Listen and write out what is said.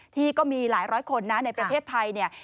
ที่ก็มีหลายร้อยคนในประเภทไทย